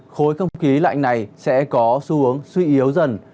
khối không khí lạnh này sẽ có xu hướng suy yếu dần